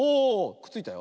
くっついたよ。